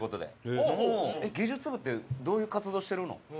「技術部ってどういう活動してるの？」